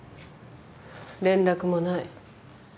連絡もない。